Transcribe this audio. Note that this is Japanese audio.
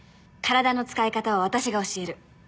体の使い方は私が教える。